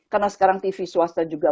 karena sekarang tv swasta juga